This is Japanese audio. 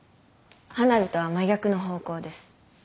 花火とは真逆の方向です。